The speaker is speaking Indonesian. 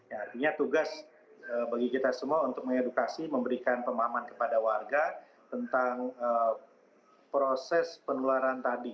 artinya tugas bagi kita semua untuk mengedukasi memberikan pemahaman kepada warga tentang proses penularan tadi